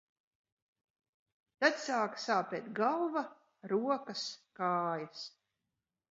Tad sāka sāpēt galva, rokas, kājas.